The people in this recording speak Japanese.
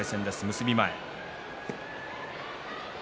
結び前。